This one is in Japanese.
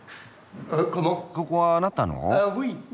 ここはあなたの？